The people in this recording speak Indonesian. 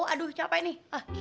aduh capek nih